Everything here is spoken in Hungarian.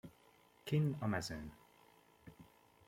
Kinn a mezőn.